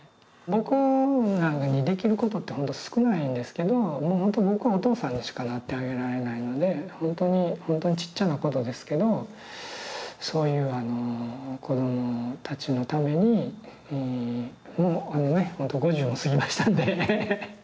僕なんかにできることってほんと少ないんですけどほんと僕お父さんにしかなってあげられないのでほんとにほんとにちっちゃなことですけどそういうあの子どもたちのためにもうあのねほんと５０を過ぎましたんでね